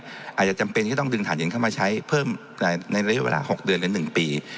อาจจะจำเป็นที่ต้องดึงฐานถิ่นเข้ามาใช้เพิ่มในเวลาหกเดือนและหนึ่งปี